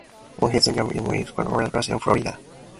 His son, Jonathan, lives in Boca Raton, Florida.